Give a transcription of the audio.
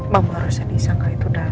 mampu harusnya diisangkan itu dalam